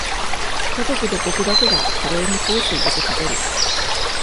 家族で僕だけがカレーにソースいれて食べる